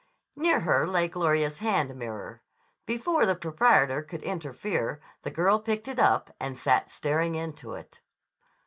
Near her lay Gloria's hand mirror. Before the proprietor could interfere the girl picked it up and sat staring into it.